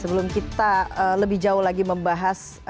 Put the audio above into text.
sebelum kita lebih jauh lagi membahas